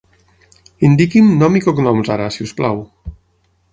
Indiqui'm nom i cognoms ara, si us plau.